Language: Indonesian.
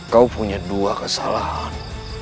kau punya dua kesalahan